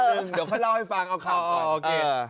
เดี๋ยวเขาเล่าให้ฟังเอาคำก่อน